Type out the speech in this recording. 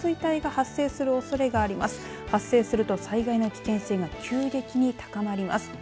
発生すると災害の危険性が急激に高まります。